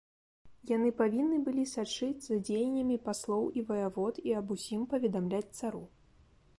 Яны павінны былі сачыць за дзеяннямі паслоў і ваявод і аб усім паведамляць цару.